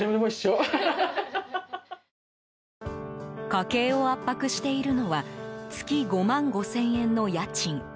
家計を圧迫しているのは月５万５０００円の家賃。